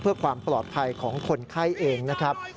เพื่อความปลอดภัยของคนไข้เองนะครับ